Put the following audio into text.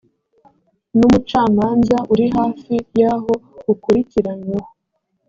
n umucamanza uri hafi y aho ukurikiranyweho